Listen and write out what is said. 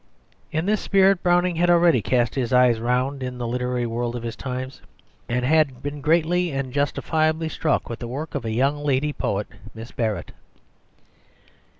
In this spirit Browning had already cast his eyes round in the literary world of his time, and had been greatly and justifiably struck with the work of a young lady poet, Miss Barrett.